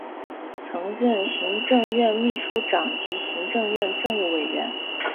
曾任行政院秘书长及行政院政务委员。